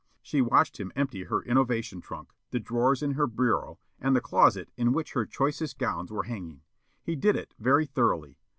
She watched him empty her innovation trunk, the drawers in her bureau, and the closet in which her choicest gowns were hanging. He did it very thoroughly.